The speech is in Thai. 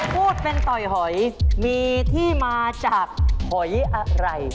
พูดเป็นต่อยหอยมีที่มาจากหอยอะไร